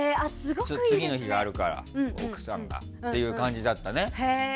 次の日があるから奥さんがという感じだったね。